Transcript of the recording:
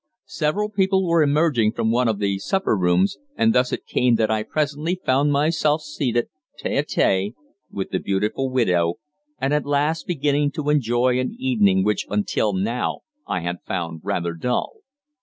Several people were emerging from one of the supper rooms, and thus it came that I presently found myself seated tête à tête with the beautiful widow, and at last beginning to enjoy an evening which until now I had found rather dull.